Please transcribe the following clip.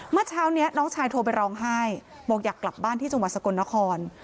เมื่อเช้านี้น้องชายโทรไปร้องไห้บอกอยากกลับบ้านที่จังหวัดสกลนคร